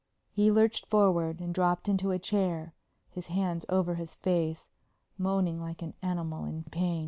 He lurched forward and dropped into a chair, his hands over his face, moaning like an animal in pain.